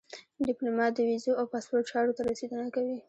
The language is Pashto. ډيپلومات د ویزو او پاسپورټ چارو ته رسېدنه کوي.